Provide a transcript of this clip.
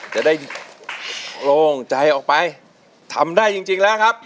จะได้โล่งใจออกไปทำได้จริงแล้วครับ